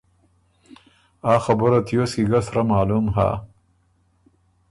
آ خبُره تیوس کی ګۀ سرۀ معلوم هۀ۔